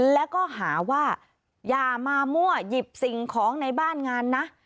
แล้วก็หาว่าอย่ามามั่วหยิบสิ่งของในบ้านงานนะ